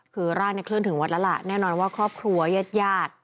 คือร่างเนี่ยเคลื่อนถึงวัดแล้วล่ะแน่นอนว่าครอบครัวยาด